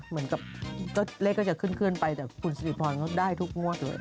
เหมือนกับเลขก็จะเคลื่อนไปแต่คุณสิริพรเขาได้ทุกงวดเลย